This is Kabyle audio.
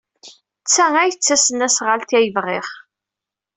D ta ay d tasnasɣalt ay bɣiɣ.